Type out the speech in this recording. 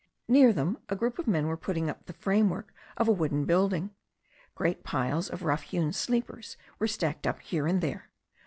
Near them a group of men were putting up the framework of a wooden building. Great piles of rough hewn sleepers were stacked up here and there.